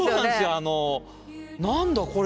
あの何だこれ。